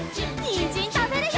にんじんたべるよ！